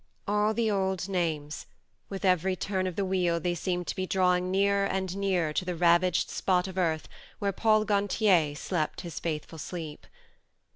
All the old names ; with every turn of the wheel they seemed to be drawing nearer and nearer to the ravaged spot of earth where Paul Gantier slept his faithful sleep.